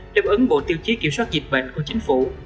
đáp ứng bộ tiêu chí kiểm soát dịch bệnh của chính phủ